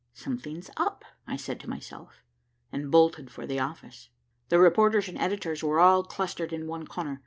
"Something's up," I said to myself, and bolted for the office. The reporters and editors were all clustered in one corner.